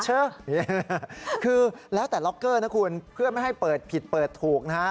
เออคือแล้วแต่ล็อกเกอร์นะคุณเพื่อไม่ให้เปิดผิดเปิดถูกนะฮะ